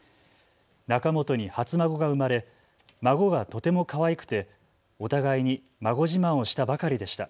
仲本に初孫が生まれ、孫がとてもかわいくてお互いに孫自慢をしたばかりでした。